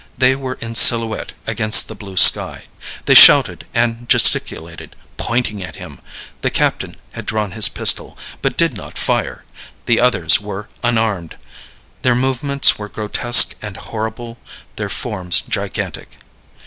They were in silhouette against the blue sky. They shouted and gesticulated, pointing at him; the captain had drawn his pistol, but did not fire; the others were unarmed. Their movements were grotesque and horrible, their forms gigantic.